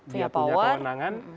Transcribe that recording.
dia punya kewenangan